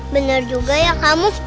bener juga ya kamu